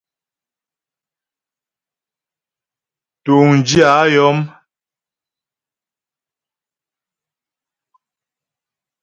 Túŋdyə̂ a yɔm.